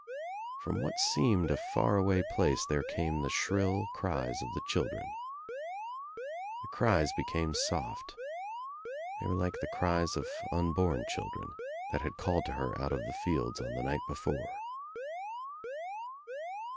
From what seemed a far away place there came the shrill cries of the children. The cries became soft. They were like the cries of unborn children that had called to her out of the fields on the night before.